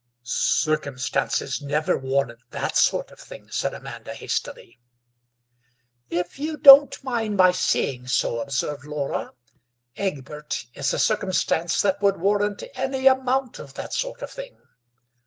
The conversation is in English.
"Circumstances never warrant that sort of thing," said Amanda hastily. "If you don't mind my saying so," observed Laura, "Egbert is a circumstance that would warrant any amount of that sort of thing.